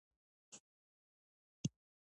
د هغوی طالب انډېوالان دي.